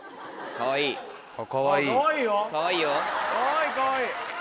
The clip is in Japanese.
かわいいかわいい。